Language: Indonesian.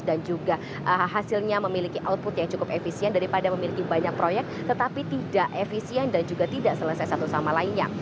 dan juga hasilnya memiliki output yang cukup efisien daripada memiliki banyak proyek tetapi tidak efisien dan juga tidak selesai satu sama lainnya